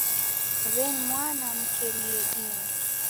W'eni mwana mkelie inyo.